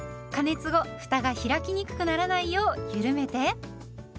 加熱後ふたが開きにくくならないようゆるめて。